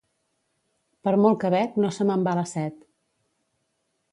Per molt que bec no se me'n va la set.